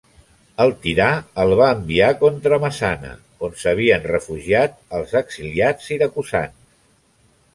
El tirà el va enviar contra Messana on s'havien refugiat els exiliats siracusans.